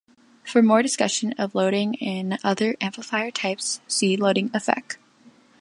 For more discussion of loading in other amplifier types, see loading effect.